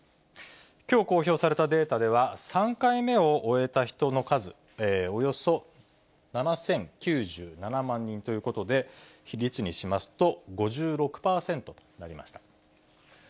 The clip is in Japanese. きょう公表されたデータでは、３回目を終えた人の数、およそ７０９７万人ということで、比率にしますと、５６％となりました。